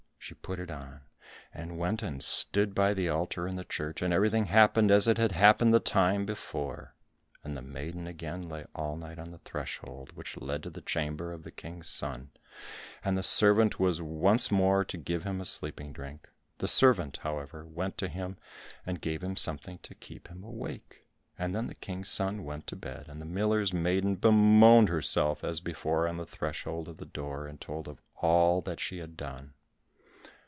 She put it on, and went and stood by the altar in the church, and everything happened as it had happened the time before. And the maiden again lay all night on the threshold which led to the chamber of the King's son, and the servant was once more to give him a sleeping drink. The servant, however, went to him and gave him something to keep him awake, and then the King's son went to bed, and the miller's maiden bemoaned herself as before on the threshold of the door, and told of all that she had done.